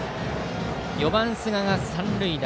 ４番、寿賀が三塁打。